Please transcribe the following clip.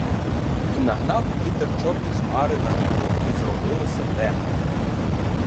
І нагнав вітер чорні хмари на небо, і зробилося темно.